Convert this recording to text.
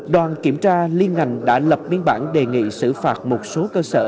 đoàn kiểm tra liên ngành đã lập biên bản đề nghị xử phạt một số cơ sở